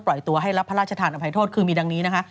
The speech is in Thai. ตัวให้รับพระราชทานอภัยโทษคือมีดังนี้นะคะ